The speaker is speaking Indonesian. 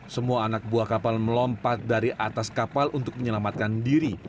semua anak buah kapal melompat dari atas kapal untuk menyelamatkan diri